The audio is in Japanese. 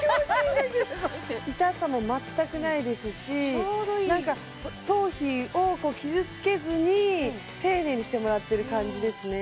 ちょうどいいなんか頭皮を傷つけずに丁寧にしてもらってる感じですね